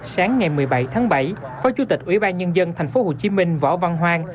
sáng ngày một mươi bảy tháng bảy phó chủ tịch ủy ban nhân dân tp hcm võ văn hoang